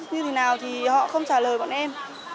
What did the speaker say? như thế nào thì họ không trả lời bọn em